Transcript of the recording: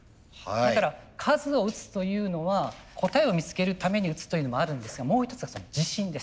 だから数を打つというのは答えを見つけるために打つというのもあるんですがもう一つは自信です。